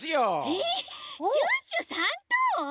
えっシュッシュ３とう？